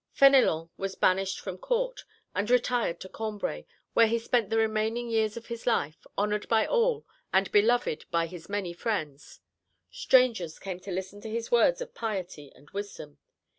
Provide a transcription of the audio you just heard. Fénélon was banished from Court, and retired to Cambray, where he spent the remaining years of his life, honoured by all, and beloved by his many friends. Strangers came to listen to his words of piety and wisdom.